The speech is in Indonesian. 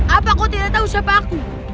apa kau tidak tahu siapa aku